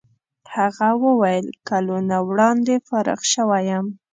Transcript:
هغه وویل کلونه وړاندې فارغ شوی یم.